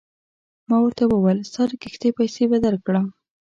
ما ورته وویل ستا د کښتۍ پیسې به درکړم.